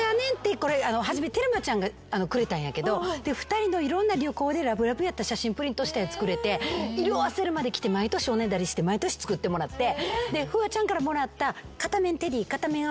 初めテルマちゃんがくれたんやけど２人のいろんな旅行でラブラブやった写真プリントしたやつくれて色あせるまで着て毎年おねだりして毎年作ってもらって。